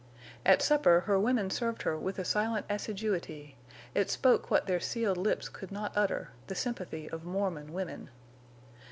At supper her women served her with a silent assiduity; it spoke what their sealed lips could not utter—the sympathy of Mormon women.